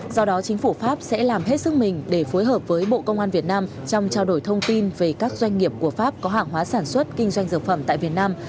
do đó chính phủ pháp sẽ làm hết sức mình để phối hợp với bộ công an việt nam trong trao đổi thông tin về các doanh nghiệp của pháp có hàng hóa sản xuất kinh doanh dược phẩm tại việt nam